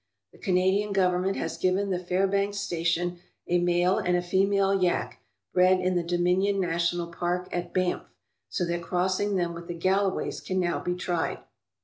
The Canadian Government has given the Fairbanks station a male and a female yak, bred in the Dominion national park at Banff, so that crossing them with the Galloways can now be tried.